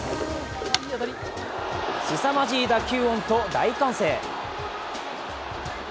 すさまじい打球音と大歓声。